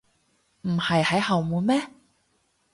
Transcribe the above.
唔係喺後門咩？